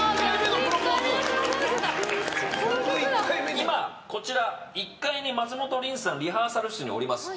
今、こちら１階に松本りんすさんリハーサル室におります。